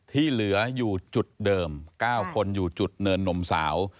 ที่เหลืออยู่จุดเดิม๙คนอยู่จุดเนินนมสาว